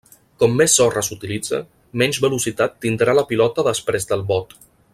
Com més sorra s'utilitza, menys velocitat tindrà la pilota després del bot.